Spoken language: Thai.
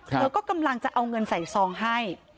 เธอก็กำลังจะเอาเงินใส่ซองให้